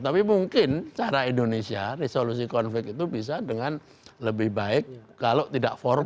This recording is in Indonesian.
tapi mungkin cara indonesia resolusi konflik itu bisa dengan lebih baik kalau tidak formal